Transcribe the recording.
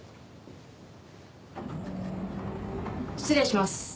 失礼します。